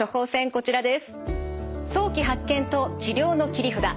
こちらです。